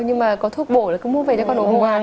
nhưng mà có thuốc bổ là cứ mua về cho con ổn hồn